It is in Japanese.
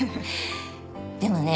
でもね